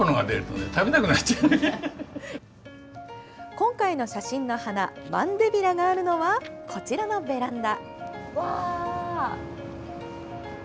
今回の写真の花マンデビラがあるのはこちらのベランダ。